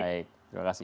baik terima kasih